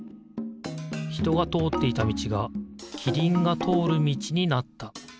ひとがとおっていたみちがキリンがとおるみちになった。